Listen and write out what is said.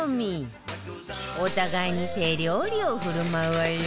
お互いに手料理を振る舞うわよ